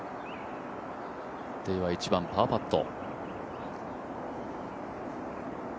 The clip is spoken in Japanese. デイは１番パーパット。